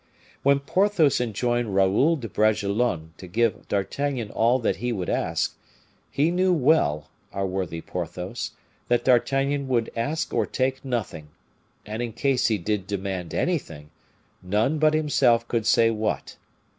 When Porthos enjoined Raoul de Bragelonne to give D'Artagnan all that he would ask, he knew well, our worthy Porthos, that D'Artagnan would ask or take nothing; and in case he did demand anything, none but himself could say what.